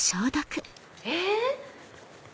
えっ？